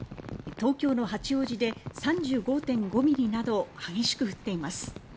東京の八王子で３５．５ミリなど激しく降っています。